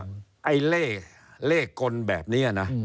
ไอ้เล่เล่คนแบบนี้อ่ะนะ